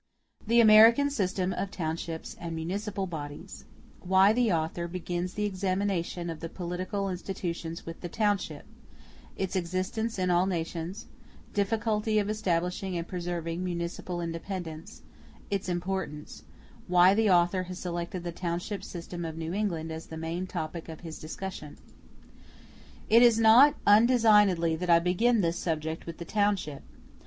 The American System Of Townships And Municipal Bodies Why the Author begins the examination of the political institutions with the township—Its existence in all nations—Difficulty of establishing and preserving municipal independence—Its importance—Why the Author has selected the township system of New England as the main topic of his discussion. It is not undesignedly that I begin this subject with the Township.